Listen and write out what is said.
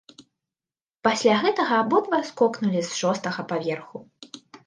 Пасля гэтага абодва скокнулі з шостага паверху.